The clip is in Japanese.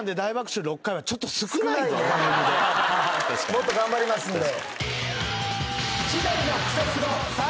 もっと頑張りますんで。